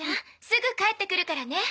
すぐ帰ってくるからね。